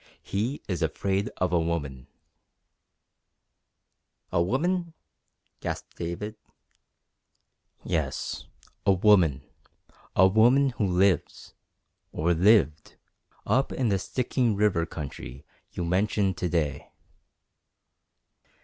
He is afraid of a woman!" "A woman!" gasped David. "Yes, a woman a woman who lives or lived up in the Stikine River country you mentioned to day."